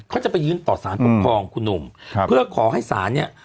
เขาจะไปยืนต่อสารปกป้องคุณหนุ่มเพื่อกอให้สารเนี่ย